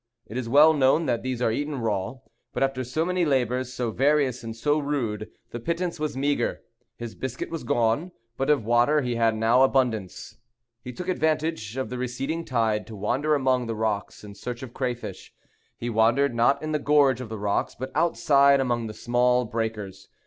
It is well known that these are eaten raw; but after so many labors, so various and so rude, the pittance was meagre. His biscuit was gone; but of water he had now abundance. He took advantage of the receding tide to wander among the rocks in search of crayfish. He wandered, not in the gorge of the rocks, but outside among the smaller breakers.